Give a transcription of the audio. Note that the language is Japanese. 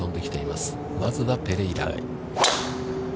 まずはペレイラ。